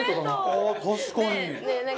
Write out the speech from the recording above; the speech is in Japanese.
ああ確かに。